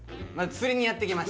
釣りにやって来ました。